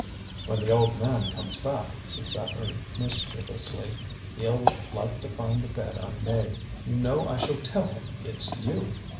"When the old man comes back," said Zacharie, mischievously, "he'll like to find the bed unmade. You know I shall tell him it's you."